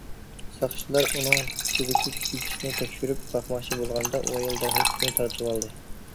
ساقچىلار ئۇنىڭ پۇتىدىكى گىپىسنى تەكشۈرۈپ باقماقچى بولغاندا ئۇ ئايال دەرھال پۇتىنى تارتىۋالدى.